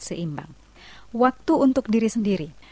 seimbang waktu untuk diri sendiri